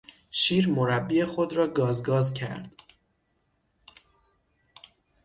شیر مربی خود را گاز گاز کرد.